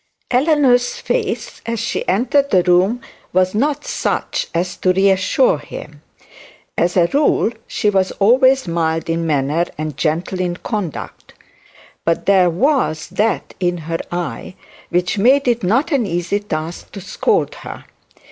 Eleanor's face as she entered the room was not much as to reassure him. As a rule she was always mild in manner and gentle in conduct; but there was that in her eye which made it not an easy task to scold her.